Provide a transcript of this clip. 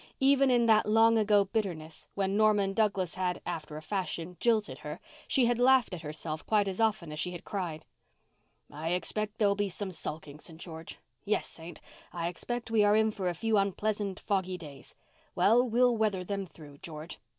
Even in that long ago bitterness, when Norman Douglas had, after a fashion, jilted her, she had laughed at herself quite as often as she had cried. "I expect there'll be some sulking, St. George. Yes, Saint, I expect we are in for a few unpleasant foggy days. Well, we'll weather them through, George.